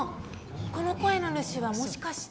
この声の主はもしかして。